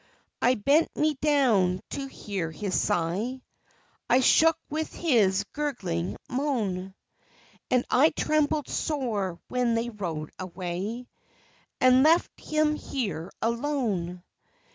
I bent me down to hear his sigh; I shook with his gurgling moan, And I trembled sore when they rode away, And left him here alone.